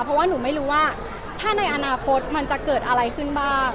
เพราะว่าหนูไม่รู้ว่าถ้าในอนาคตมันจะเกิดอะไรขึ้นบ้าง